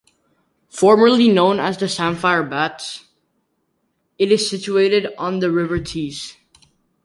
Formerly known as Samphire Batts, it is situated on the River Tees.